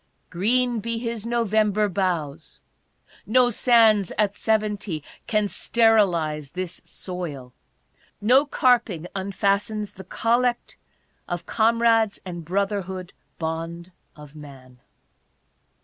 Green be his Novei?iber Boughs I No Sands at Seventy can sterilize this soil. No carping unfastens the Collect of Com rades and Brotherhood Bond of Man.